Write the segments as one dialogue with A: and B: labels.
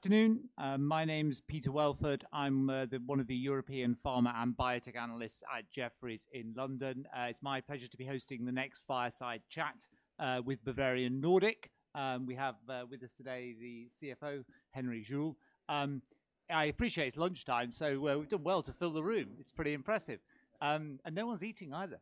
A: Good afternoon. My name is Peter Welford. I'm one of the European pharma and biotech analysts at Jefferies in London. It's my pleasure to be hosting the next Fireside Chat with Bavarian Nordic. We have with us today the CFO, Henrik Juuel. I appreciate it's lunchtime, so we've done well to fill the room. It's pretty impressive. And no one's eating either.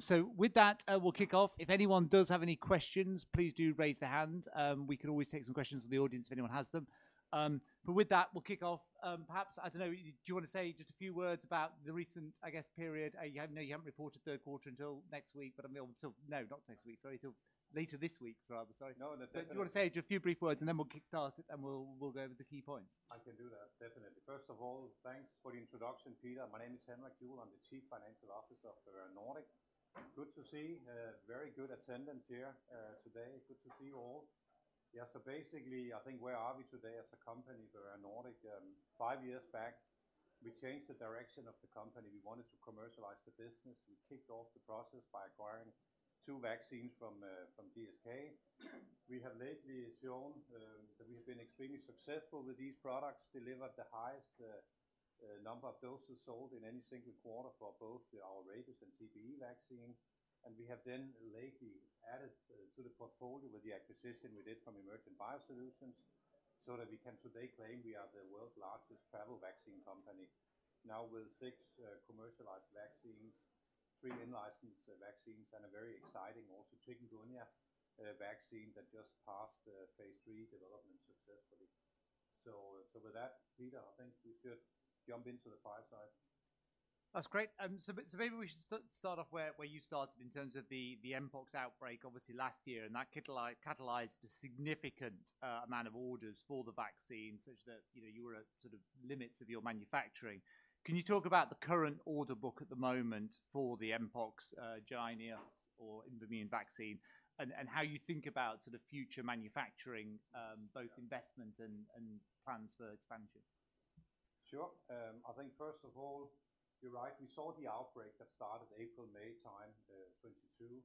A: So with that, we'll kick off. If anyone does have any questions, please do raise their hand. We can always take some questions from the audience if anyone has them. But with that, we'll kick off. Perhaps, I don't know, do you want to say just a few words about the recent, I guess, period? You know, you haven't reported third quarter until next week, but, so no, not next week, sorry, till later this week, rather. Sorry.
B: No, definitely.
A: Do you want to say just a few brief words, and then we'll kick start, and we'll go over the key points?
B: I can do that, definitely. First of all, thanks for the introduction, Peter. My name is Henrik Juuel. I'm the Chief Financial Officer of Bavarian Nordic. Good to see a very good attendance here, today. Good to see you all. Yeah, so basically, I think, where are we today as a company, Bavarian Nordic? Five years back, we changed the direction of the company. We wanted to commercialize the business. We kicked off the process by acquiring two vaccines from, from GSK. We have lately shown, that we've been extremely successful with these products, delivered the highest, number of doses sold in any single quarter for both our rabies and TBE vaccine. And we have then lately added to the portfolio with the acquisition we did from Emergent BioSolutions, so that we can today claim we are the world's largest travel vaccine company. Now with six commercialized vaccines, three in-licensed vaccines, and a very exciting also Chikungunya vaccine that just passed the phase III development successfully. So with that, Peter, I think we should jump into the fireside.
A: That's great. So maybe we should start off where you started in terms of the mpox outbreak, obviously last year, and that catalyzed a significant amount of orders for the vaccine, such that, you know, you were at sort of limits of your manufacturing. Can you talk about the current order book at the moment for the mpox JYNNEOS or IMVAMUNE vaccine and how you think about sort of future manufacturing, both investment and plans for expansion?
B: Sure. I think first of all, you're right. We saw the outbreak that started April-May time, 2022,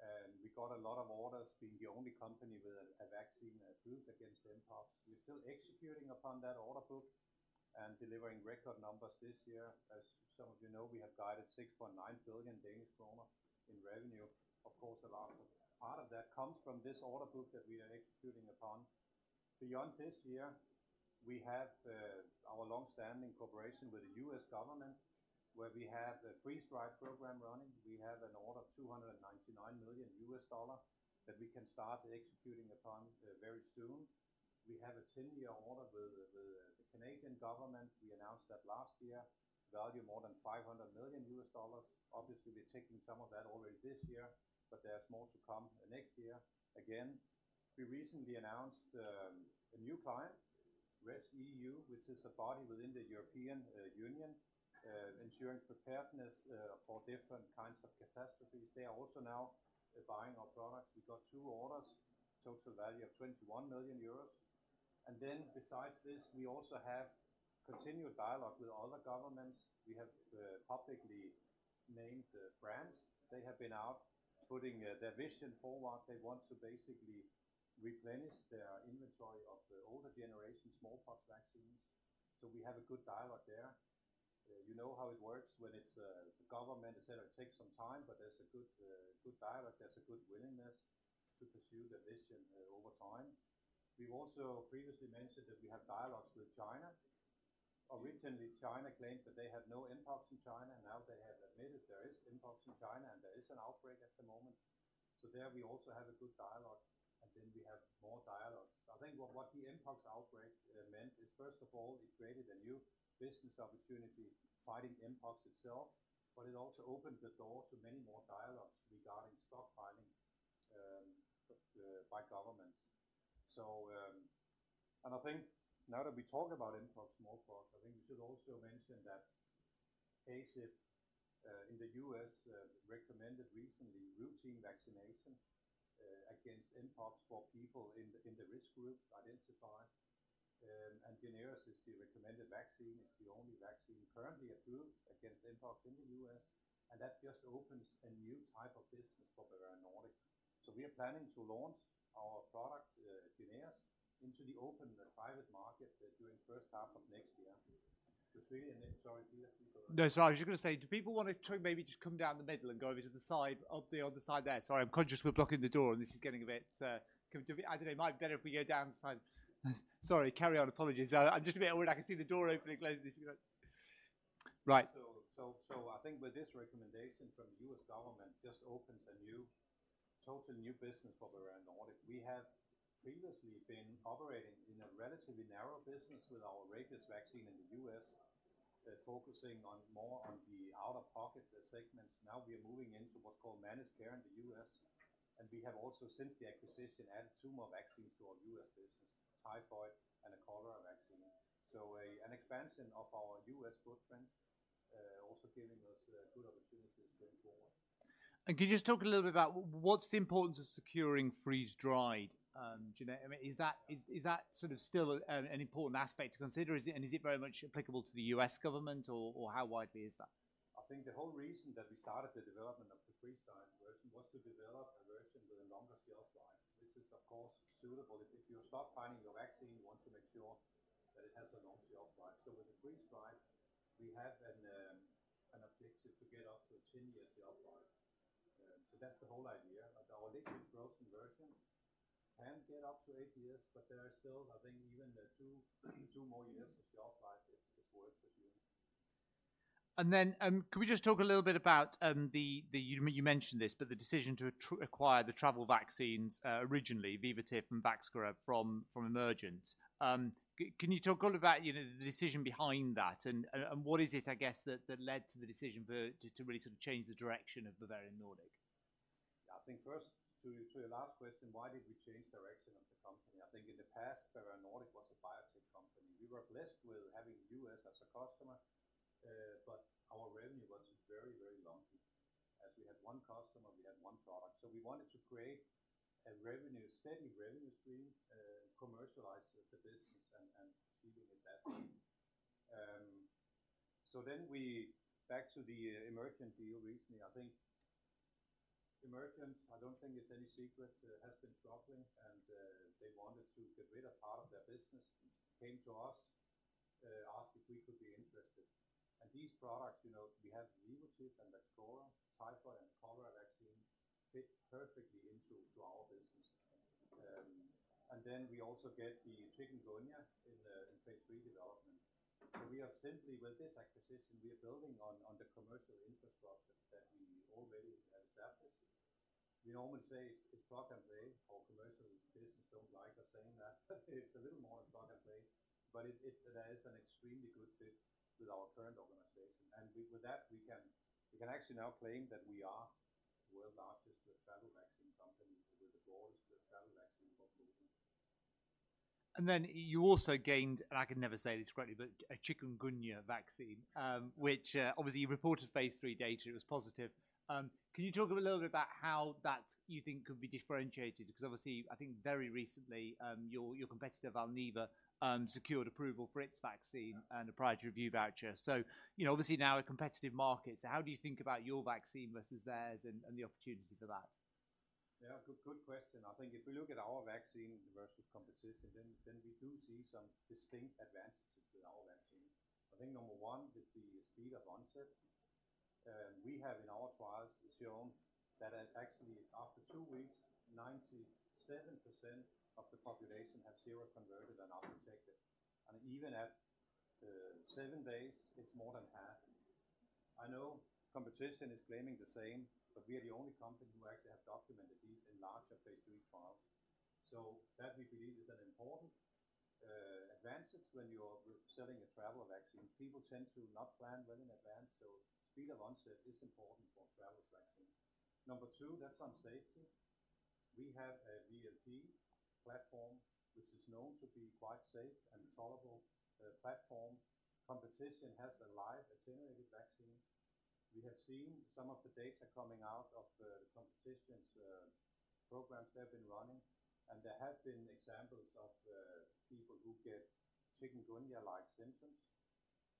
B: and we got a lot of orders, being the only company with a vaccine approved against mpox. We're still executing upon that order book and delivering record numbers this year. As some of you know, we have guided 6.9 billion Danish kroner in revenue. Of course, a large part of that comes from this order book that we are executing upon. Beyond this year, we have our long-standing cooperation with the U.S. government, where we have a freeze-dried program running. We have an order of $299 million that we can start executing upon very soon. We have a 10-year order with the Canadian government. We announced that last year, valued more than $500 million. Obviously, we're taking some of that already this year, but there's more to come next year. Again, we recently announced a new client, rescEU, which is a body within the European Union ensuring preparedness for different kinds of catastrophes. They are also now buying our products. We got two orders, total value of 21 million euros. And then besides this, we also have continued dialogue with other governments. We have publicly named France. They have been out putting their vision forward. They want to basically replenish their inventory of the older generation smallpox vaccines, so we have a good dialogue there. You know how it works when it's the government, etc., takes some time, but there's a good dialogue. There's a good willingness to pursue the vision over time. We've also previously mentioned that we have dialogues with China. Originally, China claimed that they had no mpox in China. Now they have admitted there is mpox in China, and there is an outbreak at the moment. So there we also have a good dialogue, and then we have more dialogues. I think what the mpox outbreak meant is, first of all, it created a new business opportunity fighting mpox itself, but it also opened the door to many more dialogues regarding stockpiling by governments. I think now that we talk about mpox, smallpox, we should also mention that ACIP in the U.S. recommended recently routine vaccination against mpox for people in the risk group identified, and JYNNEOS is the recommended vaccine. It's the only vaccine currently approved against mpox in the U.S., and that just opens a new type of business for Bavarian Nordic. We are planning to launch our product, JYNNEOS, into the open, the private market during first half of next year. Sorry, Peter.
A: No, sorry. I was just going to say, do people want to maybe just come down the middle and go over to the side, up the other side there? Sorry, I'm conscious we're blocking the door, and this is getting a bit, I don't know, it might be better if we go down the side. Sorry, carry on. Apologies. I'm just a bit worried. I can see the door opening and closing. Right.
B: So, I think with this recommendation from the U.S. government just opens a new, total new business for Bavarian Nordic. We have previously been operating in a relatively narrow business with our rabies vaccine in the U.S., focusing on more on the out-of-pocket segments. Now we are moving into what's called managed care in the U.S., and we have also, since the acquisition, added two more vaccines to our U.S. business, typhoid and a cholera vaccine. So an expansion of our U.S. footprint also giving us good opportunities going forward.
A: Can you just talk a little bit about what's the importance of securing freeze-dried? I mean, is that sort of still an important aspect to consider, and is it very much applicable to the U.S. government or how widely is that?
B: I think the whole reason that we started the development of the freeze-dried version was to develop a version with a longer shelf life, which is, of course, suitable. If you stop finding your vaccine, you want to make sure that it has a long shelf life. So with the freeze-dried, we have an objective to get up to a 10-year shelf life. So that's the whole idea. But our liquid frozen version can get up to eight years, but there are still, I think, even the two more years of shelf life is worth it.
A: And then, can we just talk a little bit about the one you mentioned, but the decision to acquire the travel vaccines, Vivotif and Vaxchora, from Emergent. Can you talk a little about, you know, the decision behind that, and what is it, I guess, that led to the decision to really sort of change the direction of Bavarian Nordic?
B: Yeah. I think first to your last question, why did we change direction of the company? I think in the past, Bavarian Nordic was a biotech company. We were blessed with having you as a customer, but our revenue was very, very lumpy. As we had one customer, we had one product, so we wanted to create a steady revenue stream, commercialize the business and keeping it that way. So then we back to the Emergent deal recently. I think Emergent, I don't think it's any secret, has been struggling, and they wanted to get rid of part of their business and came to us, asked if we could be interested. And these products, you know, we have Vivotif and Vaxchora, typhoid and cholera vaccine, fit perfectly into our business. And then we also get the Chikungunya in the, in phase III development. So we are simply, with this acquisition, we are building on, on the commercial infrastructure that we already have established. We often say it's plug and play, our commercial business don't like us saying that. It's a little more plug and play, but that is an extremely good fit with our current organization. And with that, we can actually now claim that we are the world's largest travel vaccine company, with the broadest travel vaccine portfolio.
A: And then you also gained, and I can never say this correctly, but a Chikungunya vaccine, which obviously you reported phase III data. It was positive. Can you talk a little bit about how that you think could be differentiated? Because obviously, I think very recently, your, your competitor, Valneva, secured approval for its vaccine and a priority review voucher. So, you know, obviously now a competitive market. So how do you think about your vaccine versus theirs and, and the opportunity for that?
B: Yeah, good, good question. I think if we look at our vaccine versus competition, then we do see some distinct advantages with our vaccine. I think number one is the speed of onset. We have in our trials shown that, actually, after 2 weeks, 97% of the population has seroconverted and are protected, and even at 7 days, it's more than half. I know competition is claiming the same, but we are the only company who actually have documented these in larger phase III trials. So that we believe is an important advantage when you're selling a travel vaccine. People tend to not plan well in advance, so speed of onset is important for travel vaccine. Number two, that's on safety. We have a VLP platform, which is known to be quite safe and tolerable platform. Competition has a live attenuated vaccine. We have seen some of the data coming out of the competition's programs they've been running, and there have been examples of people who get Chikungunya-like symptoms.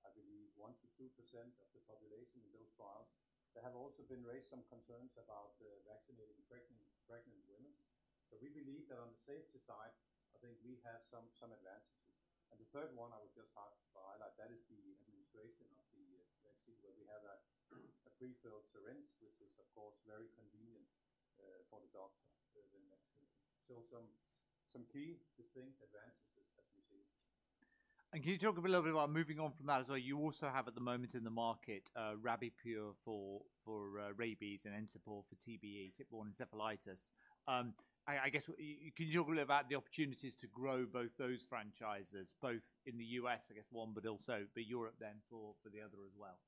B: I believe 1%-2% of the population in those trials. There have also been raised some concerns about vaccinating pregnant women. So we believe that on the safety side, I think we have some advantages. And the third one I would just like to highlight, that is the administration of the vaccine, where we have a prefilled syringe, which is, of course, very convenient for the doctor when vaccinating. So some key distinct advantages that we see.
A: Can you talk a little bit about moving on from that as well? You also have, at the moment in the market, Rabipur for rabies and Encepur for TBE, tick-borne encephalitis. I guess, can you talk a little about the opportunities to grow both those franchises, both in the U.S., I guess one, but also Europe then for the other as well?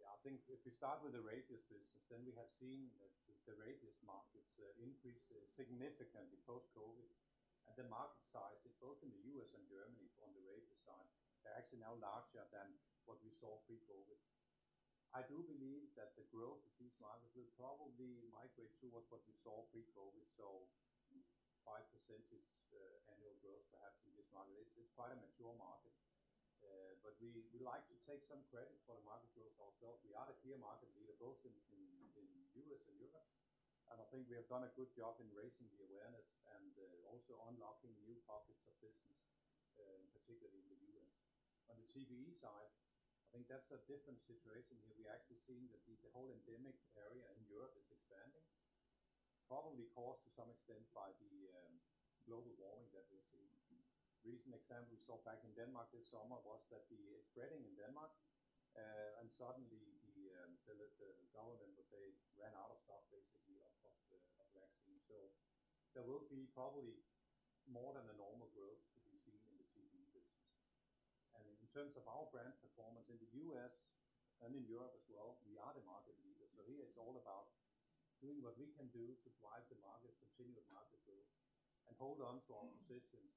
B: Yeah. I think if we start with the rabies business, then we have seen that the rabies markets increase significantly post-COVID. And the market size, both in the U.S. and Germany, on the rabies side, they're actually now larger than what we saw pre-COVID. I do believe that the growth of these markets will probably migrate towards what we saw pre-COVID, so 5% annual growth, perhaps in this market. It's quite a mature market, but we like to take some credit for the market growth ourselves. We are the clear market leader, both in the U.S. and Europe, and I think we have done a good job in raising the awareness and also unlocking new pockets of business, particularly in the U.S. On the TBE side, I think that's a different situation here. We are actually seeing that the whole endemic area in Europe is expanding, probably caused to some extent by the global warming that we're seeing. Recent example we saw back in Denmark this summer was that it's spreading in Denmark, and suddenly the government they ran out of stock, basically, of the vaccine. So there will be probably more than a normal growth to be seen in the TBE business. And in terms of our brand performance in the U.S. and in Europe as well, we are the market leader, so here it's all about doing what we can do to drive the market, continued market growth, and hold on to our positions.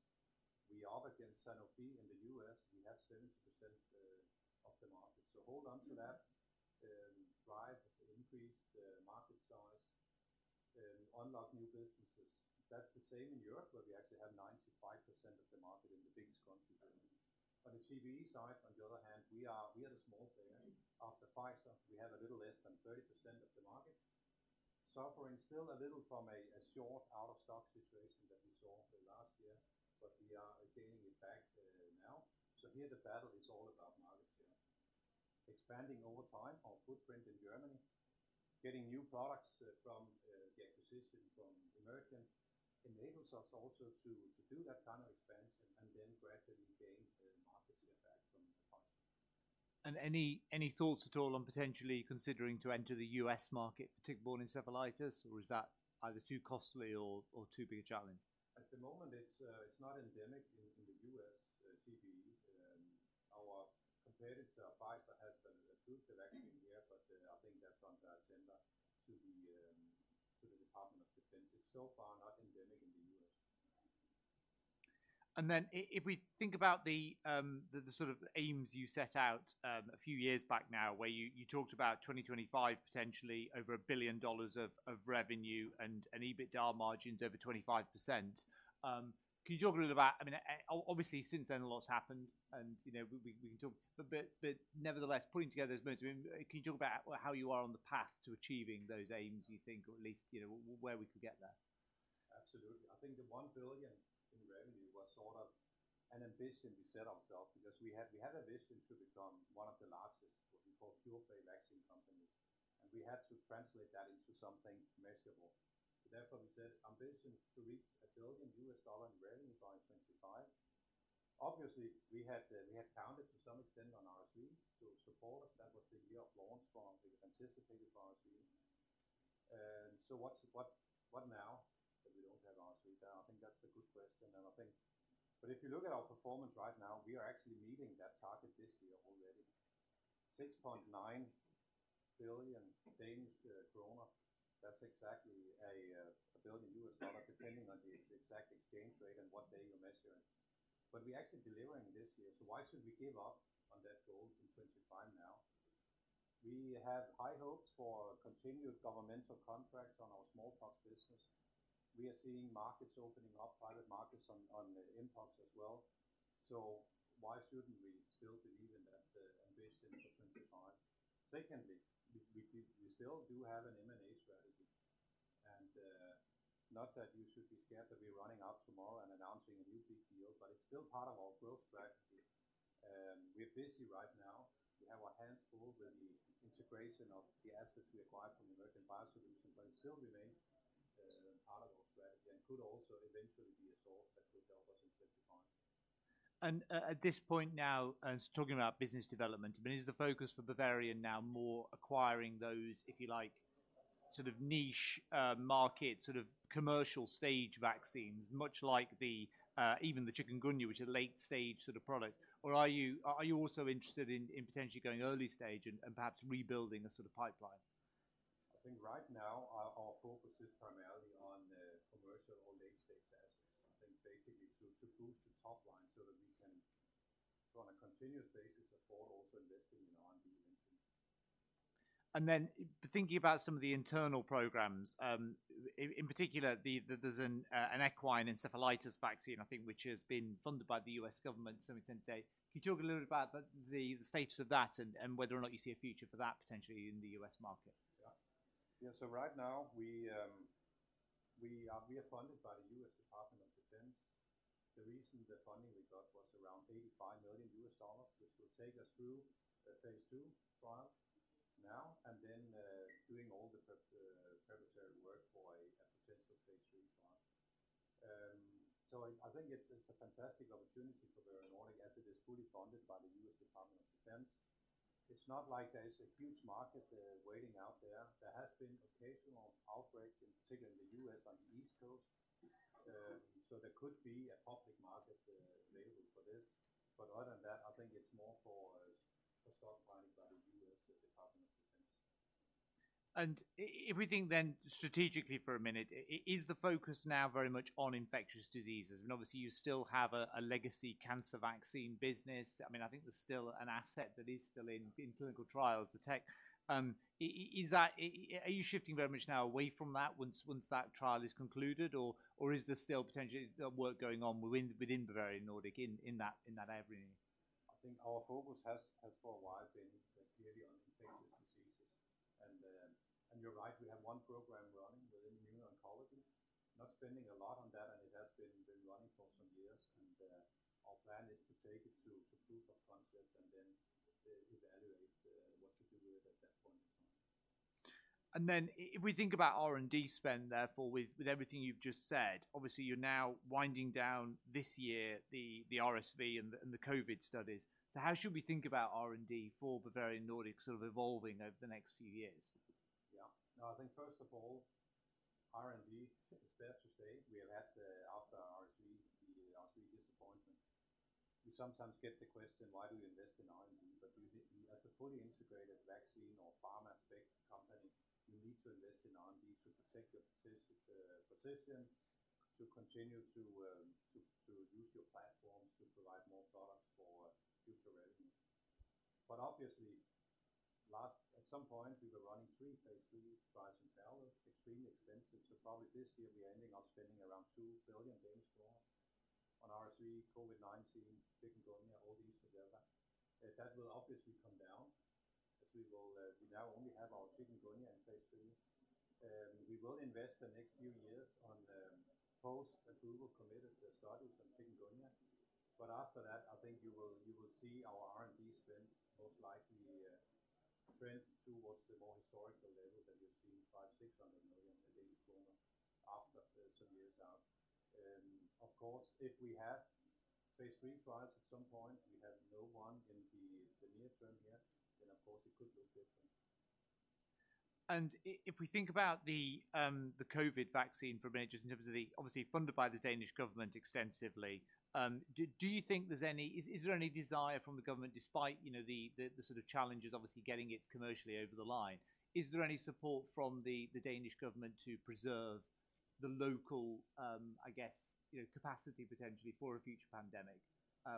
B: We are up against Sanofi in the U.S. We have 70% of the market, so hold on to that. the market size and unlock new businesses. That's the same in Europe, where we actually have 95% of the market in the biggest country, Germany. On the TBE side, on the other hand, we are the small player. After Pfizer, we have a little less than 30% of the market, suffering still a little from a short out-of-stock situation that we saw last year, but we are gaining it back now. So here the battle is all about market share. Expanding over time, our footprint in Germany, getting new products from the acquisition from Emergent enables us also to do that kind of expansion and then gradually gain market share back from the partner.
A: Any thoughts at all on potentially considering to enter the U.S. market for tick-borne encephalitis, or is that either too costly or too big a challenge?
B: At the moment, it's not endemic in the US, TBE. Our competitor, Pfizer, has an approved vaccine there, but I think that's on the agenda to the Department of Defense. It's so far not endemic in the US.
A: And then if we think about the sort of aims you set out, a few years back now, where you talked about 2025, potentially over $1 billion of revenue and EBITDA margins over 25%. Can you talk a little about... I mean, obviously, since then, a lot's happened and, you know, we can talk, but nevertheless, putting together those moments, I mean, can you talk about how you are on the path to achieving those aims, you think, or at least, you know, where we could get there?
B: Absolutely. I think the $1 billion in revenue was sort of an ambition we set ourselves because we had, we had ambition to become one of the largest, what we call, pure play vaccine companies, and we had to translate that into something measurable. So therefore, we said ambition to reach $1 billion in revenue by 2025. Obviously, we had, we had counted to some extent on RSV to support us. That was the year of launch for the anticipated RSV. And so, what's now that we don't have RSV now? I think that's a good question, and I think. But if you look at our performance right now, we are actually meeting that target this year already. 6.9 billion, that's exactly a $1 billion, depending on the exact exchange rate and what day you measure it. But we're actually delivering this year, so why should we give up on that goal in 2025 now? We have high hopes for continued governmental contracts on our smallpox business. We are seeing markets opening up, private markets on Mpox as well. So why shouldn't we still believe in that ambition for 2025? Secondly, we still do have an M&A strategy, and not that you should be scared that we're running out tomorrow and announcing a new big deal, but it's still part of our growth strategy. We're busy right now. We have our hands full with the integration of the assets we acquired from Emergent BioSolutions, but it still remains part of our strategy and could also eventually be a source that would help us in 2025.
A: At this point now, talking about business development, I mean, is the focus for Bavarian now more acquiring those, if you like, sort of niche, market, sort of commercial stage vaccines, much like the, even the chikungunya, which is a late-stage sort of product? Or are you, are you also interested in, in potentially going early stage and, and perhaps rebuilding a sort of pipeline?
B: I think right now, our focus is primarily on commercial or late-stage assets, and basically to boost the top line so that we can, on a continuous basis, afford also investing in R&D.
A: And then thinking about some of the internal programs, in particular, there's an Equine encephalitis vaccine, I think, which has been funded by the U.S. government to some extent today. Can you talk a little bit about the status of that and whether or not you see a future for that potentially in the U.S. market?
B: Yeah. Yeah, so right now, we are funded by the U.S. Department of Defense. The recent funding we got was around $85 million, which will take us through a phase II trial now, and then doing all the preparatory work for a potential phase III trial. So I think it's a fantastic opportunity for Bavarian Nordic, as it is fully funded by the U.S. Department of Defense. It's not like there is a huge market waiting out there. There has been occasional outbreaks, in particular in the U.S. on the East Coast, so there could be a public market available for this. But other than that, I think it's more for stockpiling by the U.S. Department of Defense.
A: And if we think then strategically for a minute, is the focus now very much on infectious diseases? And obviously, you still have a legacy cancer vaccine business. I mean, I think there's still an asset that is still in clinical trials, the tech. Is that... are you shifting very much now away from that once that trial is concluded, or is there still potentially work going on within Bavarian Nordic, in that avenue?
B: I think our focus has for a while been clearly on infectious diseases. And, and you're right, we have one program running within immune oncology. Not spending a lot on that, and it has been running for some years, and our plan is to take it to proof of concept and then evaluate what to do with it at that point in time.
A: And then if we think about R&D spend, therefore, with everything you've just said, obviously, you're now winding down this year, the RSV and the COVID studies. So how should we think about R&D for Bavarian Nordic sort of evolving over the next few years?
B: Yeah. No, I think first of all, R&D is there to stay. We have had the after RSV, the RSV disappointment. We sometimes get the question, "Why do you invest in R&D?" But we, we as a fully integrated vaccine or pharma-spec company, you need to position to continue to, to use your platform to provide more products for future revenues. But obviously, at some point, we were running 3 phase III trials in parallel, extremely expensive. So probably this year we're ending up spending around 2 billion on RSV, COVID-19, chikungunya, all these together. That will obviously come down as we will, we now only have our chikungunya in phase III. We will invest the next few years on post-approval committed studies on Chikungunya, but after that, I think you will, you will see our R&D spend most likely trend towards the more historical level that you've seen, 500 million-600 million after some years out. Of course, if we have phase III trials at some point, we have none in the near term here, then of course, it could look different.
A: If we think about the COVID vaccine from an interest in terms of the obviously funded by the Danish government extensively, do you think there's any? Is there any desire from the government despite, you know, the sort of challenges obviously getting it commercially over the line? Is there any support from the Danish government to preserve the local, I guess, you know, capacity potentially for a future pandemic?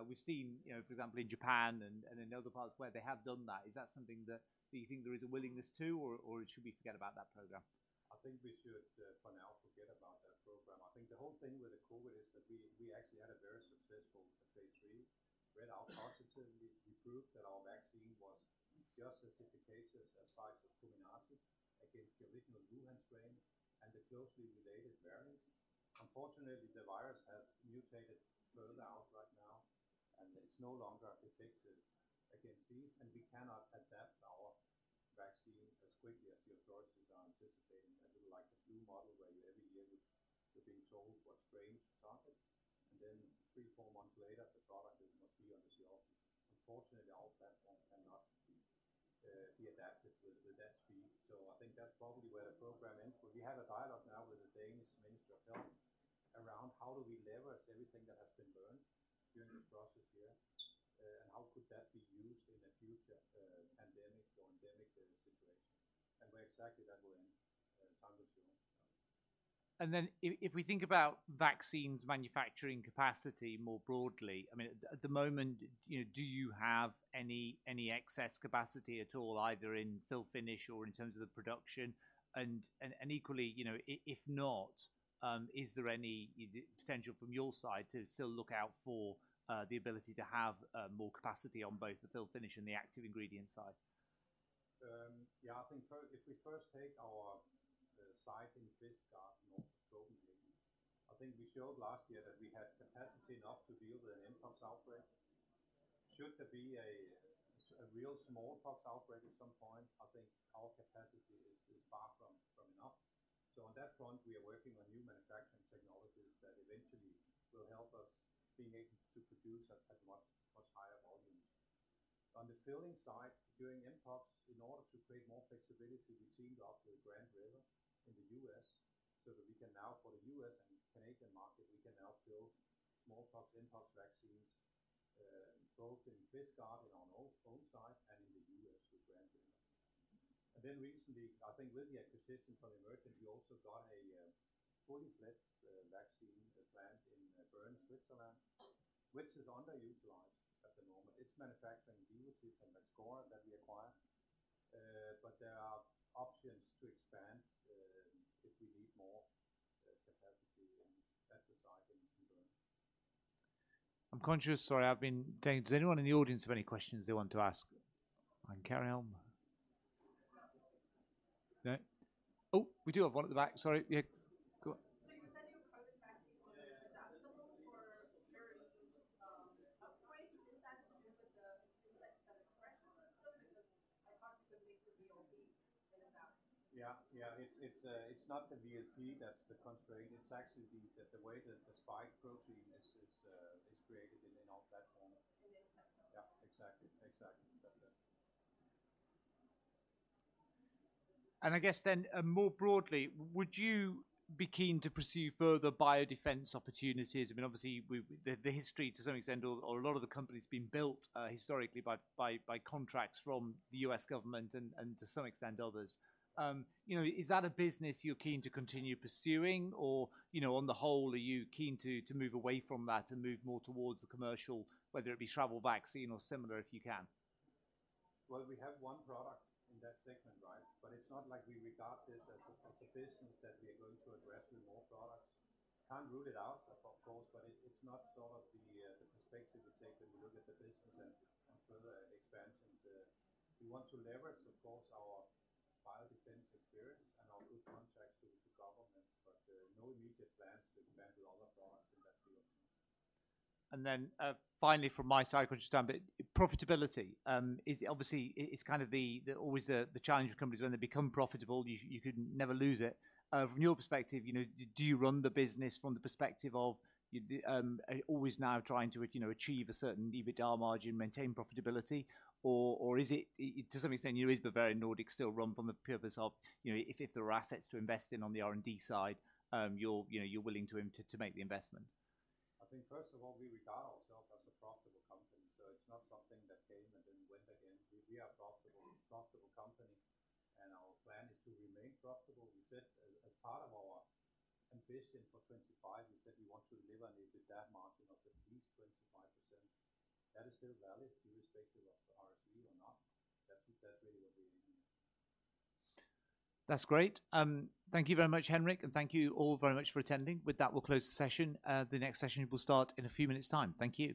A: We've seen, you know, for example, in Japan and in other parts where they have done that. Is that something that do you think there is a willingness to, or should we forget about that program?
B: I think we should, for now, forget about that program. I think the whole thing with the COVID is that we, we actually had a very successful phase III, where our positivity, we proved that our vaccine was just as effective as that of Comirnaty against the original Wuhan strain and the closely related variants. Unfortunately, the virus has mutated further out right now, and it's no longer effective against these, and we cannot adapt our vaccine as quickly as the authorities are anticipating. We like the flu model, where every year we're being told what strains to target, and then 3, 4 months later, the product will not be on the shelf. Unfortunately, our platform cannot be adapted with that speed. I think that's probably where the program ends, but we have a dialogue now with the Danish Minister of Health, around how do we leverage everything that has been learned during this process here, and how could that be used in a future, pandemic or endemic situation? Where exactly that will end, time will show.
A: Then if we think about vaccines manufacturing capacity more broadly, I mean, at the moment, you know, do you have any excess capacity at all, either in fill finish or in terms of the production? And equally, you know, if not, is there any potential from your side to still look out for the ability to have more capacity on both the fill finish and the active ingredient side?
B: Yeah, I think first, if we first take our site in Hvidovre, Copenhagen, I think we showed last year that we had capacity enough to deal with an mpox outbreak. Should there be a real smallpox outbreak at some point, I think our capacity is far from enough. So on that front, we are working on new manufacturing technologies that eventually will help us being able to produce at much higher volumes. On the filling side, during mpox, in order to create more flexibility, we teamed up with Grand River in the U.S., so that we can now for the U.S. and Canadian market, we can now build smallpox, mpox vaccines, both in Hvidovre and on our home side and in the U.S. with Grand River. And then recently, I think with the acquisition from Emergent, we also got a fully-fledged vaccine plant in Bern, Switzerland, which is underutilized at the moment. It's manufacturing Vaxchora that we acquired, but there are options to expand if we need more capacity at the site in Bern.
A: I'm conscious. Sorry, I've been taking... Does anyone in the audience have any questions they want to ask?
B: I can carry on.
A: No? Oh, we do have one at the back. Sorry. Yeah. Go on.
C: So you said your COVID vaccine was adaptable for various constraints. Is that because of the threshold or so? Because I can't complete the VLP in about-
B: Yeah, yeah. It's not the VLP that's the constraint. It's actually the way that the spike protein is created in an old platform.
C: Inside the platform.
B: Yeah, exactly. Exactly. That's it.
A: I guess then, more broadly, would you be keen to pursue further biodefense opportunities? I mean, obviously, the history to some extent, or a lot of the company's been built, historically by contracts from the U.S. government and to some extent, others. You know, is that a business you're keen to continue pursuing? Or, you know, on the whole, are you keen to move away from that and move more towards the commercial, whether it be travel vaccine or similar, if you can?
B: Well, we have one product in that segment, right? But it's not like we regard this as a, as a business that we are going to address with more products. Can't rule it out, of, of course, but it's, it's not sort of the, the perspective we take when we look at the business and, and further expansions. We want to leverage, of course, our biodefense experience and our good contracts with the government, but, no immediate plans to expand to other products in that field.
A: Finally, from my side, understanding profitability is obviously. It's kind of the always the challenge of companies when they become profitable. You could never lose it. From your perspective, you know, do you run the business from the perspective of you always now trying to, you know, achieve a certain EBITDA margin, maintain profitability? Or is it to some extent, you is but very Nordic, still run from the purpose of, you know, if there are assets to invest in on the R&D side, you're, you know, you're willing to make the investment?
B: I think first of all, we regard ourselves as a profitable company, so it's not something that came and then went again. We are profitable, profitable company, and our plan is to remain profitable. We said as, as part of our ambition for 2025, we said we want to deliver an EBITDA margin of at least 25%. That is still valid, irrespective of the RSV or not. That's, that's really what we are doing.
A: That's great. Thank you very much, Henrik, and thank you all very much for attending. With that, we'll close the session. The next session will start in a few minutes time. Thank you.